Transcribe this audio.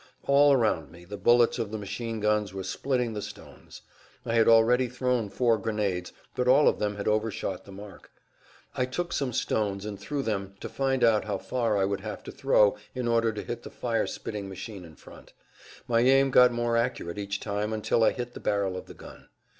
All around me the bullets of the machine guns were splitting the stones. I had already thrown four grenades, but all of them had overshot the mark. I took some stones and threw them to find out how far I would have to throw in order to hit the fire spitting machine in front. My aim got more accurate each time until I hit the barrel of the gun.